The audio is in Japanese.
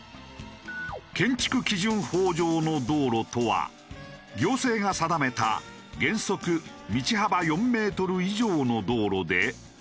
建築基準法上の道路とは行政が定めた原則道幅４メートル以上の道路で。